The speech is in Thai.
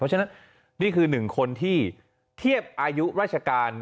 เพราะฉะนั้นนี่คือหนึ่งคนที่เทียบอายุราชการ